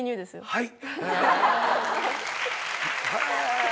はい。